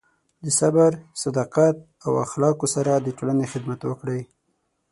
د صبر، صداقت، او اخلاقو سره د ټولنې خدمت وکړئ.